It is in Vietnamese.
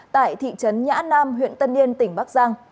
tại thị trấn nhã nam huyện tân yên tỉnh bắc giang